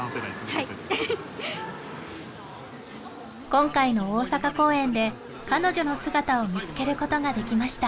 今回の大阪公演で彼女の姿を見つけることができました